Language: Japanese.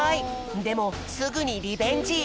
でもすぐにリベンジ。